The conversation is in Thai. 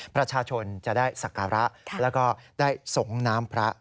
ประชาชนจะได้ศักระแล้วก็ได้ส่งน้ำพระ